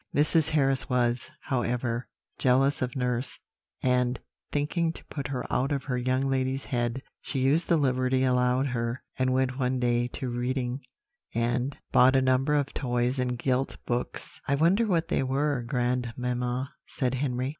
"Mrs. Harris was, however, jealous of nurse, and thinking to put her out of her young lady's head, she used the liberty allowed her, and went one day to Reading, and bought a number of toys and gilt books." "I wonder what they were, grandmamma," said Henry.